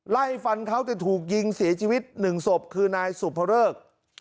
ไล่ฟันเขาแต่ถูกยิงเสียชีวิตหนึ่งศพคือนายสุภเริก